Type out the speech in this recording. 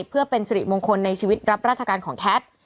เพื่อเป็นสิริมงคลในชีวิตรับราชการของแคท